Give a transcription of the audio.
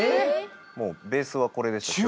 もうベースはこれでした。